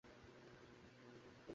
হারামজাদারা আমার ফিল্মগুলো নিয়ে গেছে।